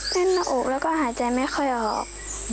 หน้าอกแล้วก็หายใจไม่ค่อยออก